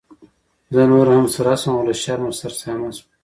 زه نوره هم سره شوم او له شرمه سرسامه شوم.